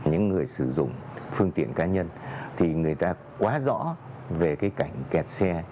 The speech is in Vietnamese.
những người sử dụng phương tiện cá nhân thì người ta quá rõ về cái cảnh kẹt xe